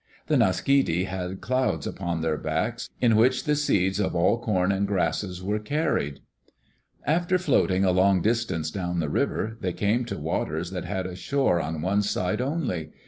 The Naaskiddi had clouds upon their backs in which the seeds of all corn and grasses were carried. After floating a long distance down the river, they came to waters that had a shore on one side only.